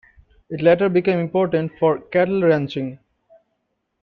It later became important for cattle ranching.